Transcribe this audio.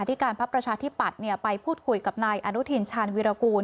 ที่การพักประชาธิปัตย์ไปพูดคุยกับนายอนุทินชาญวิรากูล